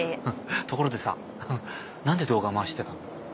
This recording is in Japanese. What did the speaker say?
ところでさ何で動画回してたの？